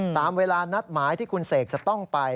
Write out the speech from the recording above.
ตามเวลานัดหมายที่คุณเสกจะต้องไป